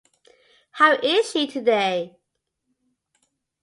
How is she today?